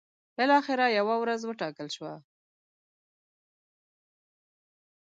بالاخره یوه ورځ وټاکل شوه.